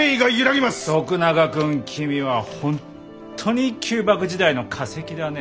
徳永君君は本当に旧幕時代の化石だね。